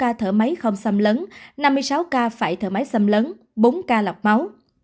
ba mươi sáu ca phải thở máy không xâm lấn năm mươi sáu ca phải thở máy xâm lấn bốn ca lọc máu